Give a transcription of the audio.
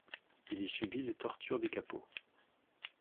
Il y subit les tortures des kapos.